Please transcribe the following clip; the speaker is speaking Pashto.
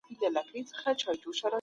انسان کولای سي د الله حق ادا کړي.